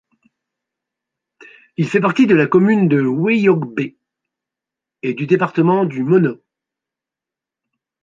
Il fait partie de la commune de Houéyogbé et du département du Mono.